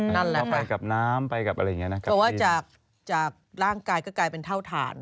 ต้องไปกับน้ำไปกับอะไรอย่างเพราะว่าจากล่างกายก็กระเป็นเท่าฐาน